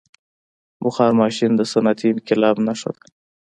• بخار ماشین د صنعتي انقلاب نښه ده.